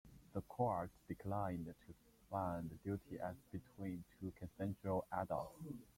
The court declined to find duty as between two consensual adults.